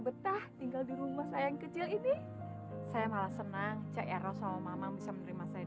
betah tinggal di rumah saya yang kecil ini saya malah senang ca ero sama mama bisa menerima saya